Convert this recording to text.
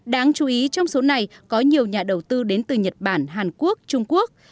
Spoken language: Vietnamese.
đáng chú ý trong số này có nhiều nhà đầu tư đến từ nhật bản hàn quốc trung quốc